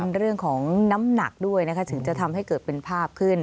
เป็นเรื่องของน้ำหนักด้วยนะคะถึงจะทำให้เกิดเป็นภาพขึ้น